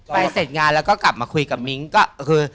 เสร็จงานแล้วก็กลับมาคุยกับมิ้งก็คือ